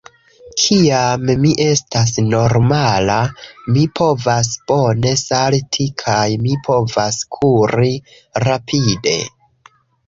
Kiam mi estas normala, mi povas bone salti, kaj mi povas kuri rapide.